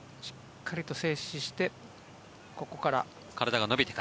しっかりと静止してここから。